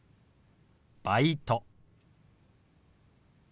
「バイト」。